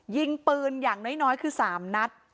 ยิงปืนอย่างน้อยคือ๓นัด